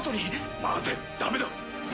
待てダメだ。